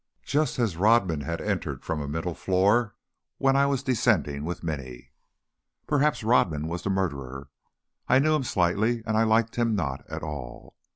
Just as Rodman had entered from a middle floor, when I was descending with Minny. Perhaps Rodman was the murderer! I knew him slightly and liked him not at all.